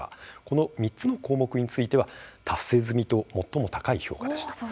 この３つの項目については達成済みと、最も高い評価でした。